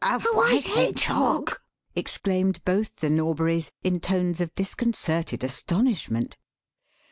"A white hedgehog!" exclaimed both the Norburys, in tones of disconcerted astonishment.